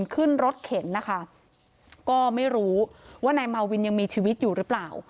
ขึ้นรถเข็นนะคะก็ไม่รู้ว่านายมาวินยังมีชีวิตอยู่หรือเปล่า